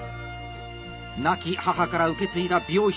亡き母から受け継いだ美容室。